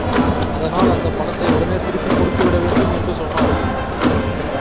அதனால் அந்தப் பணத்தை உடனே திருப்பிக் கொடுத்து விடவேண்டும், என்று சொன்னார்.